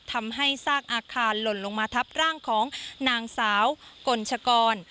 ทำให้ซากอาคารหล่นลงมาทับร่างของนางสาวกลชกร